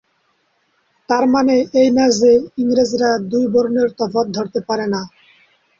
তার মানে এই না যে, ইংরেজরা দুই বর্ণের তফাৎ ধরতে পারে না।